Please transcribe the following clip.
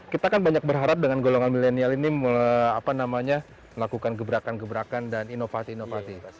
kita kan banyak berharap dengan golongan milenial ini melakukan gebrakan gebrakan dan inovasi inovasi